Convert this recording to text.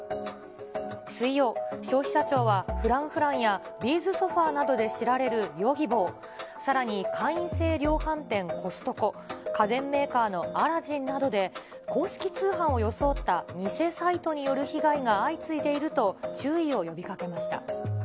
水曜、消費者庁はＦｒａｎｃｆｒａｎｃやビーズソファーなどで知られるヨギボー、さらに会員制量販店、コストコ、家電メーカーのアラジンなどで、公式通販を装った偽サイトによる被害が相次いでいると、注意を呼びかけました。